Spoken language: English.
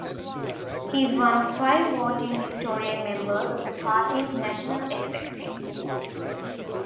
He is one of five voting Victorian members of the party's National Executive.